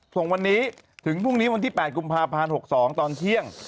ส่งวันนี้ถึงพรุ่งนี้วันที่๘กุมภาพันธ์๖๒ตอนเที่ยง